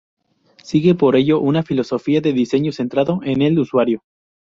Sigue por ello una filosofía de diseño centrado en el usuario.